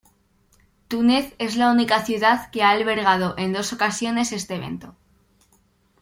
Túnez es la única ciudad que ha albergado en dos ocasiones este evento.